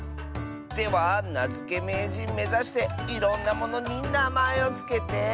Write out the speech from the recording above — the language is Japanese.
ではなづけめいじんめざしていろんなものになまえをつけて。